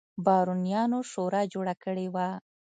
بارونیانو شورا جوړه کړې وه.